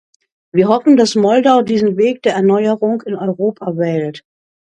Wir hoffen, dass Moldau diesen Weg der Erneuerung in Europa wählt.